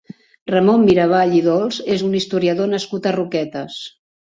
Ramon Miravall i Dolç és un historiador nascut a Roquetes.